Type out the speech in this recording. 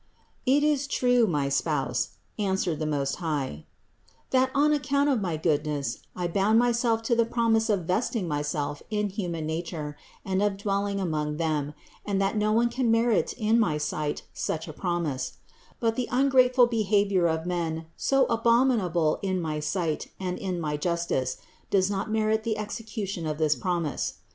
51. "It is true, my Spouse," answered the Most High, "that on account of my goodness I bound Myself to the promise of vesting Myself in human nature and of dwell ing among them, and that no one could merit in my sight such a promise; but the ungrateful behavior of men, so abominable in my sight and in my justice, does not merit the execution of this promise.